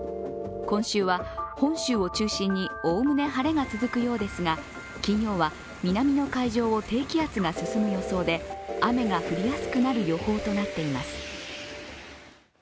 今週は本州を中心におおむね晴れが続くようですが金曜は南の海上を低気圧が進む予想で雨が降りやすくなる予報となっています。